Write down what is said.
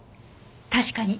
確かに。